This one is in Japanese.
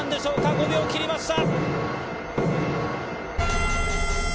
５秒切りました。